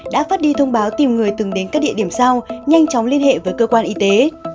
đã phát đi thông báo tìm người từng đến các địa điểm sau nhanh chóng liên hệ với cơ quan y tế